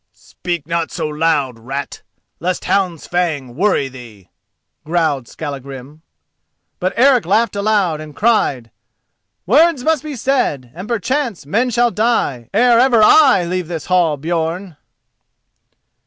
"Speak not so loud, rat, lest hound's fang worry thee!" growled Skallagrim. But Eric laughed aloud and cried— "Words must be said, and perchance men shall die, ere ever I leave this hall, Björn!"